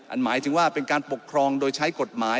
หมายถึงว่าเป็นการปกครองโดยใช้กฎหมาย